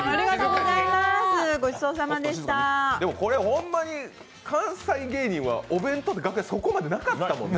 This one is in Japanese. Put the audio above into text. これ、ホンマに関西芸人はお弁当ってそこまでなかったもんね。